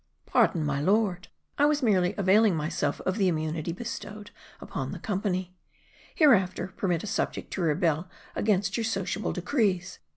" Pardon, my lord ; I was merely availing myself of the immunity bestowed upon the company. Hereafter, permit a subject to rebel against your sociable decrees.